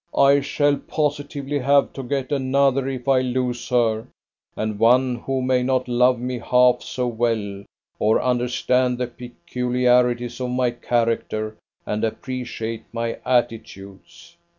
I shall positively have to get another if I lose her, and one who may not love me half so well, or understand the peculiarities of my character and appreciate my attitudes."